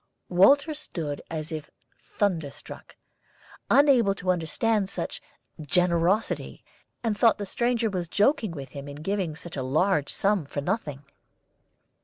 Walter stood as if thunder struck, unable to understand such generosity, and thought the stranger was joking with him in giving such a large sum for nothing.